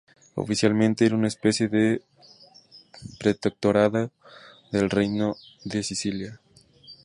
Oficialmente era una especie de Protectorado del Reino de Sicilia.